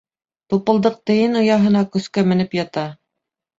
Тупылдыҡ Тейен ояһына көскә менеп ята.